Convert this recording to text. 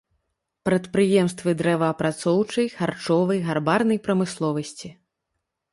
Прадпрыемствы дрэваапрацоўчай, харчовай, гарбарнай прамысловасці.